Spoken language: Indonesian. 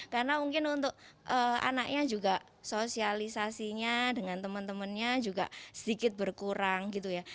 karena mungkin untuk anaknya juga sosialisasinya dengan teman temannya juga sedikit berkurang gitu ya